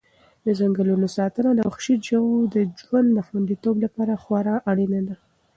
د ځنګلونو ساتنه د وحشي ژویو د ژوند د خوندیتوب لپاره خورا اړینه ده.